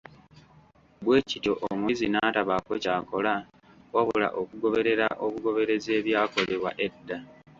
Bwe kityo omuyizi n'atabaako ky'akola, wabula okugoberera obugoberezi ebyakolebwa edda.